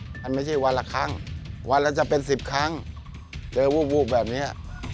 มันไม่ใช่วันละครั้งวันละจะเป็น๑๐ครั้งเจอวูบแบบนี้